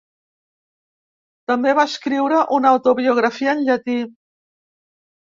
També va escriure una autobiografia en llatí.